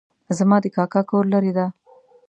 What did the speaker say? زما د کاکا کور لرې ده